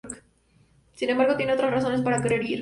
Sin embargo, tiene otras razones para querer ir.